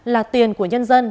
là tiền của nhân dân